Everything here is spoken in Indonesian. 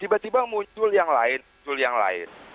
tiba tiba muncul yang lain jul yang lain